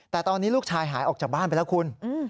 แต่ตอนนี้ลูกชายหายออกจากบ้านไปแล้วคุณ